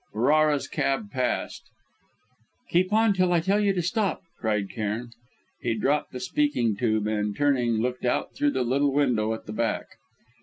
Ferrara's cab passed: "Keep on till I tell you to stop!" cried Cairn. He dropped the speaking tube, and, turning, looked out through the little window at the back.